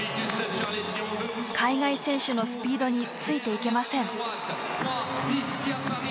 海外選手のスピードについていけません。